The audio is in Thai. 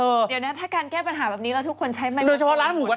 เดี๋ยวนะถ้าการแก้ปัญหาแบบนี้เราทุกคนใช้มันมากกว่า